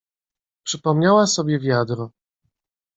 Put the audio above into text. "Przypomniała sobie wiadro."